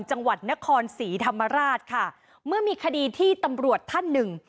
จังหวัดนครศรีธรรมราชค่ะเมื่อมีคดีที่ตำรวจท่านหนึ่ง